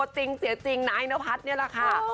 จริงเสียจริงนายนพัฒน์นี่แหละค่ะ